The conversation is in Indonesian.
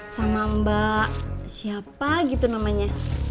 sama mbak siapa gitu namanya